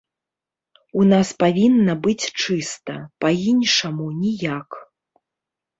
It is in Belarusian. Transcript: У нас павінна быць чыста, па іншаму ніяк.